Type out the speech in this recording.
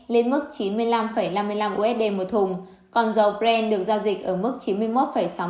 lên mức chín mươi năm năm mươi năm usd một thùng còn dầu brent được giao dịch ở mức chín mươi năm năm mươi năm usd một thùng